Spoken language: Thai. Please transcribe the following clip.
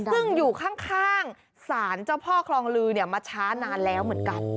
ซึ่งอยู่ข้างศาลเจ้าพ่อคลองลือมาช้านานแล้วเหมือนกัน